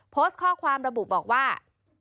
โพสต์ข้อความระบุบอกว่า